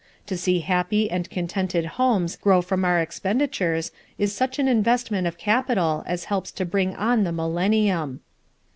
To see happy and contented homes grow from our expenditures is such an investment of capital as helps to bring on the millennium.